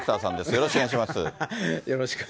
よろしくお願いします。